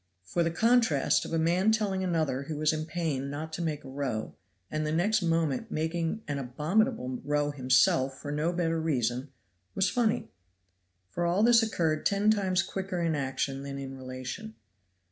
For the contrast of a man telling another who was in pain not to make a row, and the next moment making an abominable row himself for no better reason, was funny. For all this occurred ten times quicker in action than in relation.